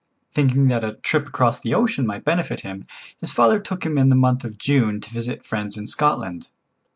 Thinking that a trip across the ocean might benefit him, his father took him in the month of June to visit friends in Scotland.